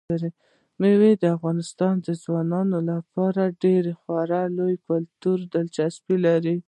مېوې د افغان ځوانانو لپاره خورا ډېره لویه کلتوري دلچسپي لري.